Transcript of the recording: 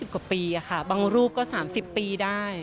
กว่าปีค่ะบางรูปก็๓๐ปีได้